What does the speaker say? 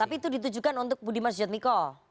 tapi itu ditujukan untuk budiman sujadmiko